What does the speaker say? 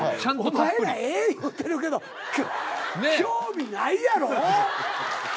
お前ら「え」言うてるけど興味ないやろ。